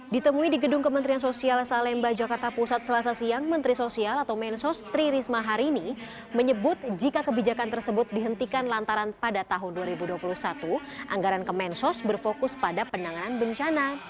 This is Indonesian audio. ditemui di gedung kementerian sosial salemba jakarta pusat selasa siang menteri sosial atau mensos tri risma harini menyebut jika kebijakan tersebut dihentikan lantaran pada tahun dua ribu dua puluh satu anggaran kemensos berfokus pada penanganan bencana